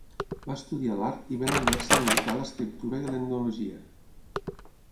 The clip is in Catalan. Va estudiar l'art i ben aviat es dedicà a l'escriptura i a l'etnologia.